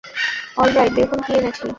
Alright, দেখুন কি এনেছি।